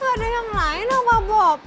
gak ada yang lain pak bob